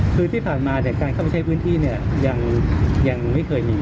คือที่ผ่านมาเนี่ยการเข้าไปใช้พื้นที่เนี่ยยังไม่เคยมี